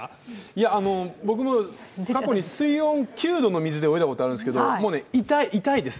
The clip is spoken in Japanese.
いや、僕も過去に水温９度の水で泳いだことありますけどもう痛い、痛いです。